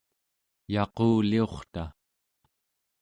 yaquliurta